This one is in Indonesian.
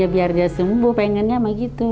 biar dia sembuh pengennya mau gitu